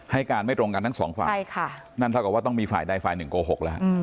ให้การไม่ตรงกันทั้ง๒ฝ่ายนั่นถ้ากับว่าต้องมีฝ่ายได้ฝ่าย๑โก๖ค่ะ